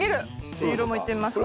黄色もいってみますか。